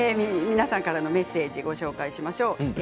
皆さんからのメッセージをご紹介します。